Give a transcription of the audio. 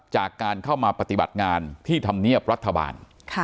จากการเข้ามาปฏิบัติงานที่ธรรมเนียบรัฐบาล